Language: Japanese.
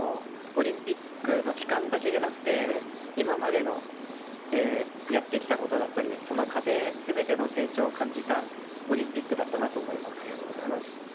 オリンピックの期間だけじゃなくて今までのやってきたことだったりその過程、全ての成長を感じたオリンピックだったなと思います。